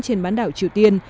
trên bán đảo triều tiên